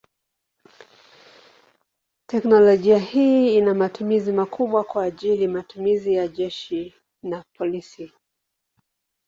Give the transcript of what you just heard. Teknolojia hii ina matumizi makubwa kwa ajili matumizi ya jeshi na polisi.